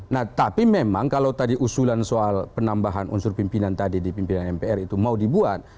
nah tapi memang kalau tadi usulan soal penambahan unsur pimpinan tadi di pimpinan mpr itu mau dibuat